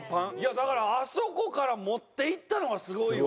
だからあそこから持っていったのがすごいわ。